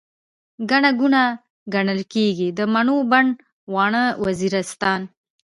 ګڼه ګوڼه، ګڼل کيږي، د مڼو بڼ، واڼه وزيرستان